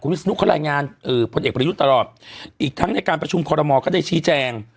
วิศนุเขารายงานพลเอกประยุทธ์ตลอดอีกทั้งในการประชุมคอรมอลก็ได้ชี้แจง